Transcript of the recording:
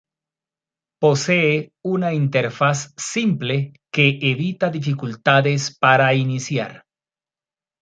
Posee una interfaz simple que evita dificultades para iniciar.